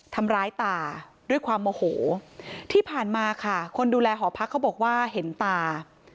ตาด้วยความโมโหที่ผ่านมาค่ะคนดูแลหอพักเขาบอกว่าเห็นตา